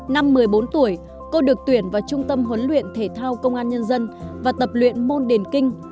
năm một mươi bốn tuổi cô được tuyển vào trung tâm huấn luyện thể thao công an nhân dân và tập luyện môn điển kinh